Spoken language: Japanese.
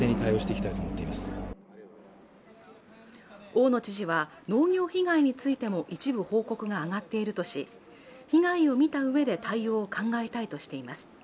大野知事は農業被害についても一部報告が上がっているとし被害を見たうえで対応を考えたいとしています。